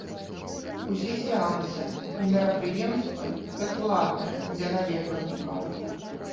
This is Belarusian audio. Усе сеансы і мерапрыемствы бясплатныя для наведвальнікаў.